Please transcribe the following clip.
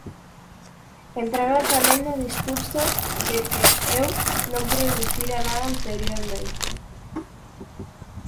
Entraba tamén no discurso de que eu non producira nada anteriormente.